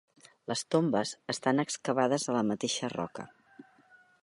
Les tombes estan excavades a la mateixa roca.